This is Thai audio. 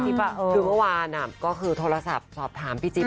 คือเมื่อวานทดสอบถามพี่จิ๊บ